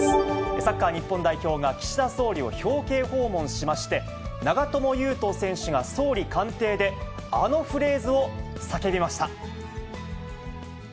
サッカー日本代表が岸田総理を表敬訪問しまして、長友佑都選手が総理官邸であのフレーズを叫びました。